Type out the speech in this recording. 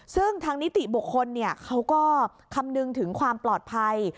ซึ่งทางนิติบุคคลเขาก็คำนึงถึงความปลอดภัย